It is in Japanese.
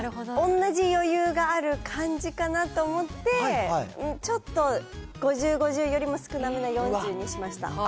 同じ余裕がある感じかなと思って、ちょっと５０・５０よりも少なめな４０にしました。